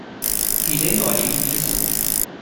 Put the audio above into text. ایده عالی نیست؟